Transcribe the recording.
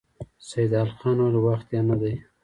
سيدال خان وويل: وخت يې نه دی؟